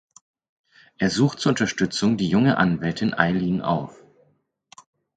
Er sucht zur Unterstützung die junge Anwältin Aylin auf.